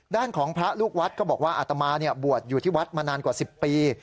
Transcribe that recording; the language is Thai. ด้านของพระลูกวัดก็บอกว่าอัตมาบวชอยู่ที่วัดมานานกว่า๑๐ปี